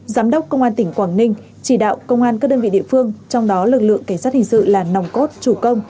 giám đốc công an tỉnh quảng ninh chỉ đạo công an các đơn vị địa phương trong đó lực lượng cảnh sát hình sự là nòng cốt chủ công